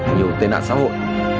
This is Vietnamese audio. nhiều tên nạn xã hội